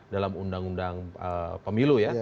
dalam undang undang pemilu